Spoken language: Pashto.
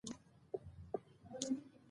زه د ښو اخلاقو زدکړه مهمه بولم.